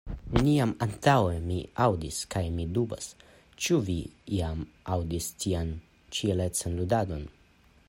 Neniam antaŭe mi aŭdis kaj mi dubas, ĉu vi iam aŭdis tian ĉielecan ludadon.